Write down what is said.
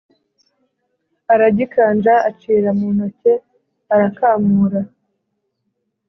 aragikanja acira muntoke arakamura